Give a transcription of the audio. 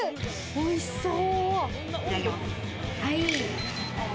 おいしそう。